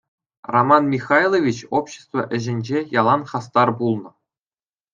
Роман Михайлович общество ӗҫӗнче ялан хастар пулнӑ.